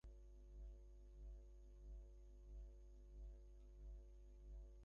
স্বামীজী এই সূত্রটি পাইয়াই স্বামী প্রেমানন্দের নিকট ইহার বিকৃত অর্থ করিয়া হাসিতে লাগিলেন।